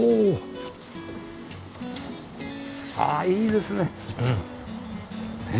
ああいいですね。